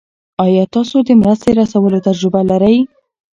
آیا تاسو د مرستې رسولو تجربه لرئ؟